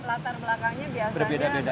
dalam latar belakangnya biasanya